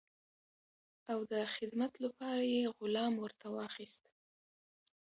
او د خدمت لپاره یې غلام ورته واخیست.